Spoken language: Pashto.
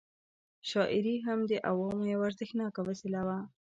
شاعري هم د عوامو یوه اغېزناکه وسله وه.